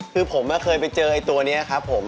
คือผมเคยไปเจอไอ้ตัวนี้ครับผม